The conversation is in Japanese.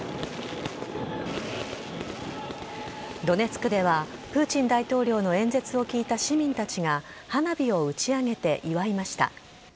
ドネツクではプーチン大統領の演説を聞いた市民たちが、花火を打ち上げて祝いました。